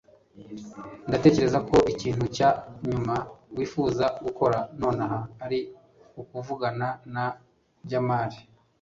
ndatekereza ko ikintu cya nyuma wifuza gukora nonaha ari ukuvugana na jamali